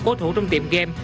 cố thủ trong tiệm game